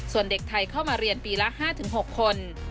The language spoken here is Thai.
ส่วนเด็กไทยเข้ามาเรียนปีละ๕๖คน